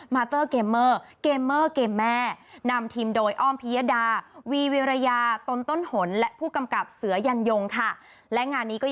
มาเตอร์เกมเมอร์เกมเมอร์เกมแม่